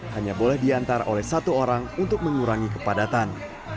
hanya boleh diantar oleh satu orang untuk mengurangi kepadatan